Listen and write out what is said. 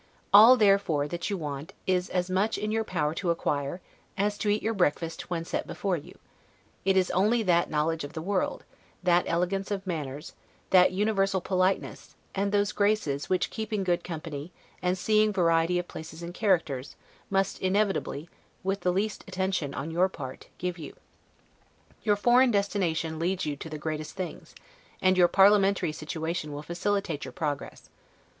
All, therefore, that you want is as much in your power to acquire, as to eat your breakfast when set before you; it is only that knowledge of the world, that elegance of manners, that universal politeness, and those graces which keeping good company, and seeing variety of places and characters, must inevitably, with the least attention on your part, give you. Your foreign destination leads to the greatest things, and your parliamentary situation will facilitate your progress.